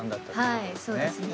はいそうですね。